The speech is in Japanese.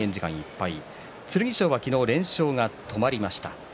剣翔は昨日、連勝が止まりました。